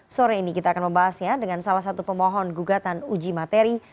sore ini kita akan membahasnya dengan salah satu pemohon gugatan uji materi